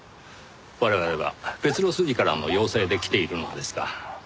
我々は別の筋からの要請で来ているのですが。